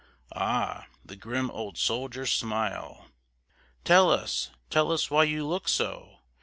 Ah! the grim old soldier's smile! "Tell us, tell us why you look so?"